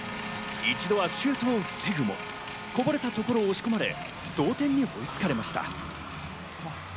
一度はシュートを防ぐも、こぼれたところを押し込まれ、同点に追いつかれました。